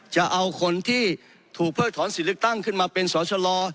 จะเอาคนที่ถูกเพิกถอนสิทธิ์เลือกตั้งขึ้นมาเป็นสอชะลอ